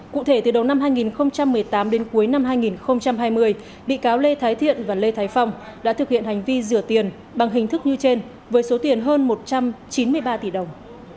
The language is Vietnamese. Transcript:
cụ thể từ đầu năm hai nghìn một mươi tám đến cuối năm hai nghìn hai mươi bị cáo lê thái thiện và lê thái phong đã thực hiện hành vi rửa tiền bằng hình thức như trên với số tiền hơn một trăm chín mươi ba tỷ đồng